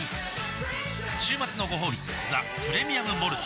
週末のごほうび「ザ・プレミアム・モルツ」